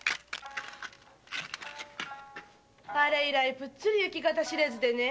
・あれ以来ぶっつり行方知れずでね。